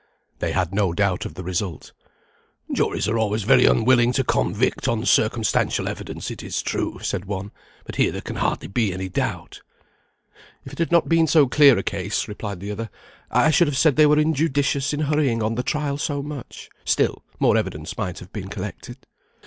They had no doubt of the result. "Juries are always very unwilling to convict on circumstantial evidence, it is true," said one, "but here there can hardly be any doubt." "If it had not been so clear a case," replied the other, "I should have said they were injudicious in hurrying on the trial so much. Still, more evidence might have been collected."